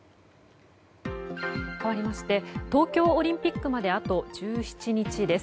かわりまして東京オリンピックまであと１７日です。